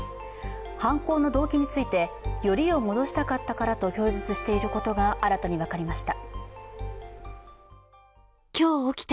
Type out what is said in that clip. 犯行の動機について、よりを戻したかったからと供述していることが新たに分かりました。